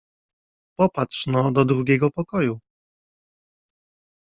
Popatrz no do drugiego pokoju.